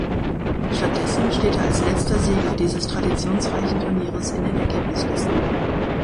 Stattdessen steht er als letzter Sieger dieses traditionsreichen Turnieres in den Ergebnislisten.